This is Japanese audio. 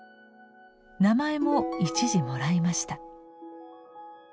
名前も１字もらいました。